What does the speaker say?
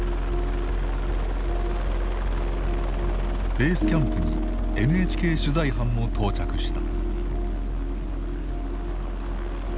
ベースキャンプにＮＨＫ取材班も到着した。